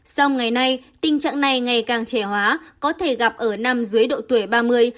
sau ngày nay tình trạng này ngày càng trẻ hóa có thể gặp ở năm dưới độ tuổi ba mươi